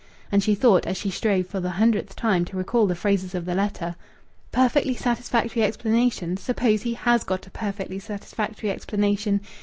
And she thought, as she strove for the hundredth time to recall the phrases of the letter "'Perfectly satisfactory explanation!' suppose he has got a perfectly satisfactory explanation!